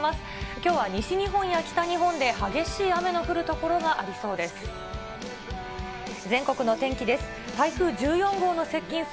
きょうは西日本や北日本で激しい雨の降る所がありそうです。